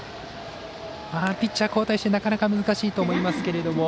ピッチャー交代してなかなか難しいと思いますけど。